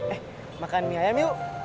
eh makan mie ayam yuk